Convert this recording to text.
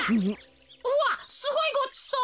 うわっすごいごちそう。